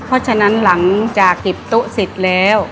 เพราะฉะนั้นหลังจากเก็บตู้สิทธิ์แล้ว